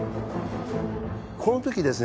この時ですね